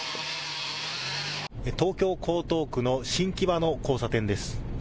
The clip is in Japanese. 東京江東区の新木場の交差点です。